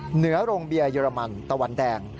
เหนือโรงเบียร์เรมันตะวันแดง